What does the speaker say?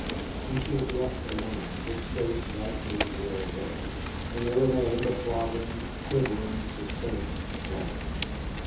When she was left alone this state gradually wore away, and there remained a throbbing, quivering suspense of love.